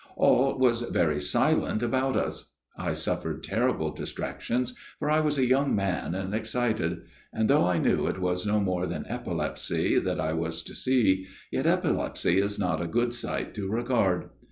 " All was very silent about us. I suffered terrible distractions, for I was a young man and excited ; and though I knew it was no more than epilepsy that I was to see, yet epilepsy is not a good sight to regard.